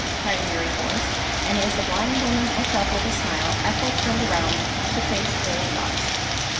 cried a merry voice, and as the blind woman looked up with a smile Ethel turned around to face "Old Hucks."